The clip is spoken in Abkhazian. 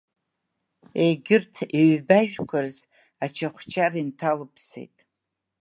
Егьырҭ, ҩба ажәқәа рзы ачыхәчар инҭалыԥсеит.